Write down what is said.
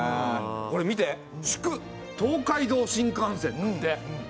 これ見て「祝東海道新幹線」だって。